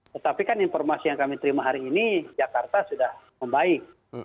tetapi kan informasi yang kami terima hari ini jakarta sudah membaik